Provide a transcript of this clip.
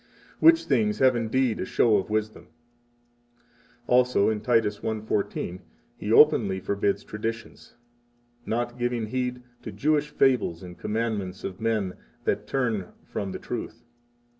which things have indeed a show of wisdom. 46 Also in Titus 1:14 he openly forbids traditions: Not giving heed to Jewish fables and commandments of men that turn from the truth.